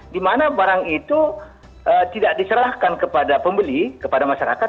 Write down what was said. di mana barang itu tidak diserahkan kepada pembeli kepada masyarakat